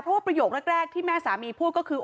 เพราะว่าประโยคแรกที่แม่สามีพูดก็คือ